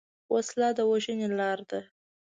وسله د وژنې لاره ده